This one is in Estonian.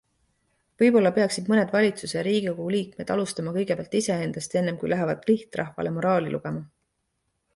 Võib-olla peaksid mõned valitsuse ja riigikogu liikmed alustama kõigepealt iseendast, ennem kui lähevad lihtrahvale moraali lugema.